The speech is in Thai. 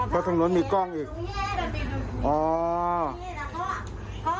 เพราะตรงนั้นมีกล้องอีก